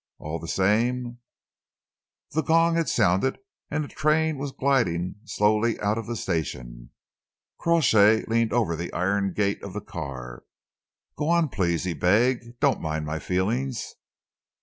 "All the same " The gong had sounded and the train was gliding slowly out of the station. Crawshay leaned over the iron gate of the car. "Go on, please," he begged. "Don't mind my feelings."